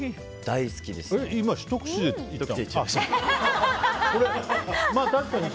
今ひと口でいったの？